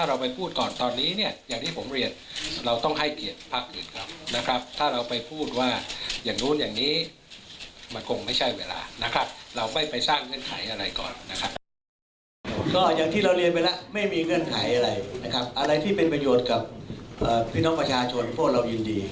อะไรที่เป็นประโยชน์กับพี่น้องประชาชนพวกเรายินดี